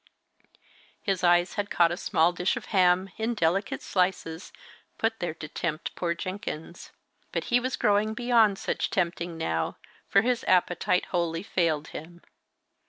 His eyes had caught a small dish of ham, in delicate slices, put there to tempt poor Jenkins. But he was growing beyond such tempting now, for his appetite wholly failed him.